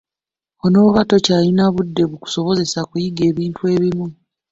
Onooba tokyalina budde bukusobozesa kuyiga ebintu ebimu.